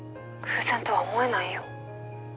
「偶然とは思えないよ」